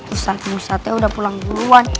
ustaz ustaznya udah pulang duluan